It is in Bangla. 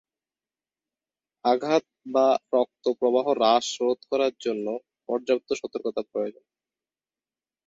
আঘাত বা রক্ত প্রবাহ হ্রাস রোধ করার জন্য পর্যাপ্ত সতর্কতা প্রয়োজন।